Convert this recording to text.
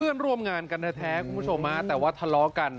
เพื่อนร่วมงานกันแท้คุณผู้ชมฮะแต่ว่าทะเลาะกัน